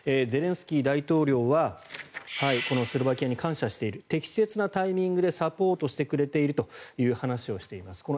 ゼレンスキー大統領はスロバキアに感謝している適切なタイミングでサポートしてくれているという話をしています。